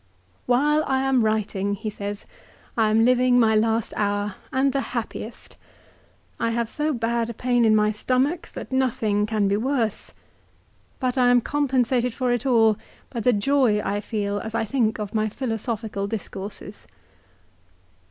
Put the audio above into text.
" While I am writing," he says, " I am living my last hour, and the happiest. I have so bad a pain in my stomach that nothing can be worse. But I am compensated for it all by the joy I feel as I think of my philosophical discourses."